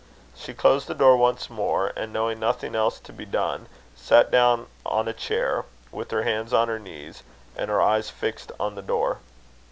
She closed the door once more, and knowing nothing else to be done, sat down on a chair, with her hands on her knees, and her eyes fixed on the door.